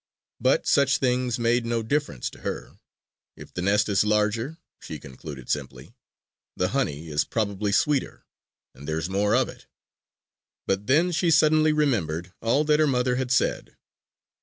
But such things made no difference to her. "If the nest is larger," she concluded simply, "the honey is probably sweeter and there's more of it!" But then she suddenly remembered all that her mother had said.